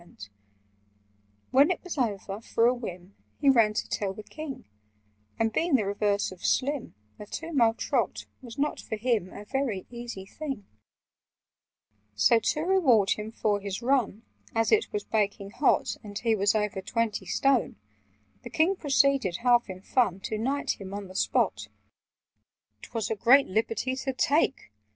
[Picture: He ran to tell the King] "When it was over, for a whim, He ran to tell the King; And being the reverse of slim, A two mile trot was not for him A very easy thing. "So, to reward him for his run (As it was baking hot, And he was over twenty stone), The King proceeded, half in fun, To knight him on the spot." "'Twas a great liberty to take!"